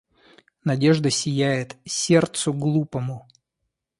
Надежда сияет сердцу глупому.